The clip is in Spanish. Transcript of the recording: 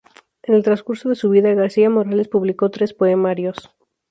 En el transcurso de su vida García Morales publicó tres poemarios.